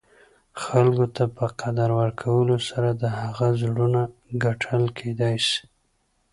خلګو ته په قدر ورکولو سره، د هغه زړونه ګټل کېداى سي.